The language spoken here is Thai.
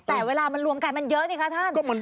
แต่เวลามันรวมกันมันเยอะนี่คะท่าน